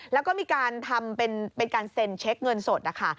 แล้วก็มีการทำเป็นการเซ็นเช็คเงินสดนะคะ